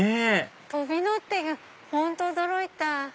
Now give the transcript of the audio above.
飛び乗って本当驚いた。